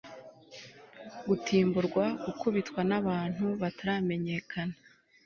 gutimburwa gukubitwa nabantu bataramenyekana